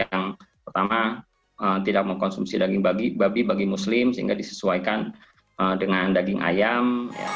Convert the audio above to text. yang pertama tidak mengkonsumsi daging babi bagi muslim sehingga disesuaikan dengan daging ayam